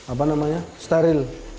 apa namanya steril